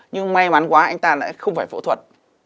nhưng may mắn quá anh ta lại không phải phẫu thuật